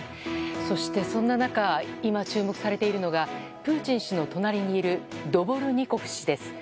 そして、そんな中今、注目されているのがプーチン氏の隣にいるドボルニコフ氏です。